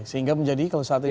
sehingga menjadi kalau saat ini